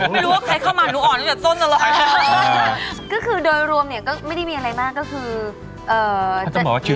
แม่บ้านประจันบัน